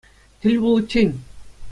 Тӗл пуличчен!